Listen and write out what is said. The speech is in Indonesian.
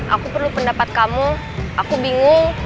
aku perlu pendapat kamu aku bingung